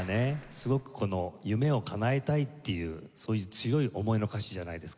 すごくこの夢をかなえたいっていうそういう強い思いの歌詞じゃないですか。